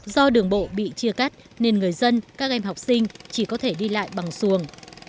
do đường bộ bị chia cắt nên người dân các em học sinh chỉ có thể đi lại bằng xuồng